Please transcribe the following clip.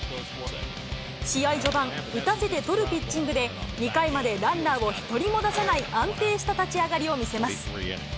試合序盤、打たせて取るピッチングで、２回までランナーを１人も出さない安定した立ち上がりを見せます。